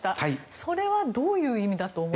それはどういう意味だと思いますか？